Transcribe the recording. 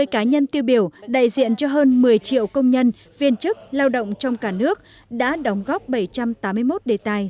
hai mươi cá nhân tiêu biểu đại diện cho hơn một mươi triệu công nhân viên chức lao động trong cả nước đã đóng góp bảy trăm tám mươi một đề tài